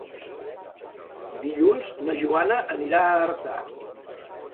Dilluns na Joana anirà a Artà.